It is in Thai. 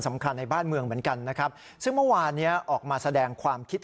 สำคัญในบ้านเมืองเหมือนกันนะครับซึ่งเมื่อวานเนี้ยออกมาแสดงความคิด